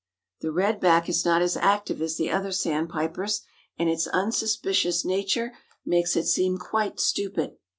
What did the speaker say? The Red back is not as active as the other sandpipers and its unsuspicious nature makes it seem quite stupid.